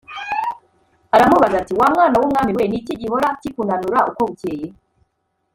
Aramubaza ati “Wa mwana w’umwami we, ni iki gihora kikunanura uko bukeye?